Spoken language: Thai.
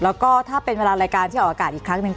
แล้วก็ถ้าเป็นเวลารายการที่ออกอากาศอีกครั้งหนึ่ง